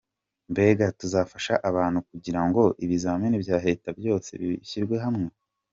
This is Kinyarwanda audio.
Mbega tuzafasha abantu kugira ngo ibizami bya Leta byose bishyirwe hamwe.